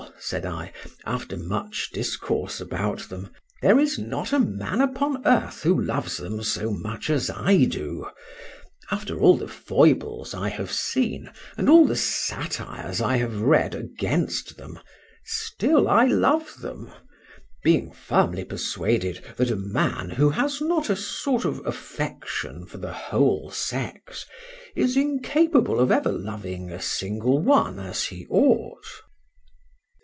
said I, after much discourse about them—there is not a man upon earth who loves them so much as I do: after all the foibles I have seen, and all the satires I have read against them, still I love them; being firmly persuaded that a man, who has not a sort of affection for the whole sex, is incapable of ever loving a single one as he ought.